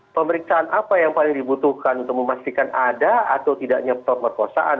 pemeriksaan apa yang paling dibutuhkan untuk memastikan ada atau tidak nyetor perkosaan